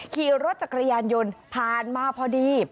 ขี่รถจักรยานยนต์ผ่านมาพอดี